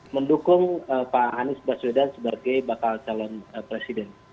mendukung pak anies baswedan sebagai bakal calon presiden